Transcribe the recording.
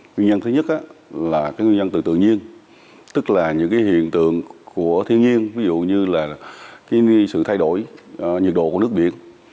nguyên nhân thứ nhất là nguyên nhân từ tự nhiên tức là những hiện tượng của thiên nhiên ví dụ như là sự thay đổi nhiệt độ của nước biển